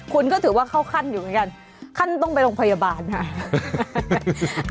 คุณก็ถือว่าเข้าขั้นอยู่เหมือนกันขั้นต้องไปโรงพยาบาลค่ะ